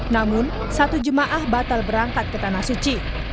namun satu jemaah batal berangkat ke tanah suci